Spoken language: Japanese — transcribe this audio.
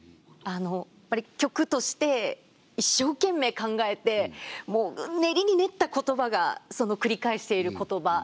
やっぱり局として一生懸命考えて練りに練った言葉がその繰り返している言葉で。